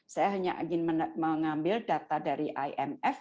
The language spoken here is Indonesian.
saya hanya ingin mengambil data dari imf